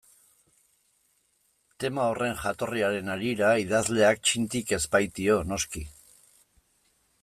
Tema horren jatorriaren harira idazleak txintik ez baitio, noski.